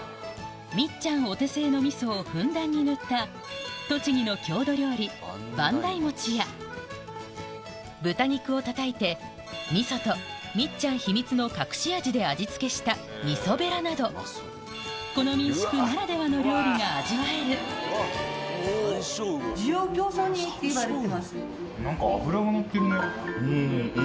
みっちゃんお手製のみそをふんだんに塗った栃木の郷土料理豚肉をたたいてみそとみっちゃん秘密の隠し味で味付けしたなどこの民宿ならではの料理が味わえるうんうん。